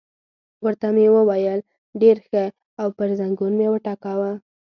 ورته مې وویل: ډېر ښه، او پر زنګون مې وټکاوه.